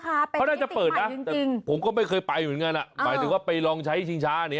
เขาได้ให้ติดใหม่จริงนะแต่ผมก็ไม่เคยไปเหมือนกันอะไปถึงว่าไปลองใช้ชิงช้า